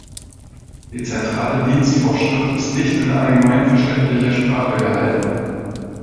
Die Zentrale Dienstvorschrift ist nicht in allgemeinverständlicher Sprache gehalten.